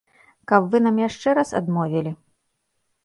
Каб вы нам яшчэ раз адмовілі?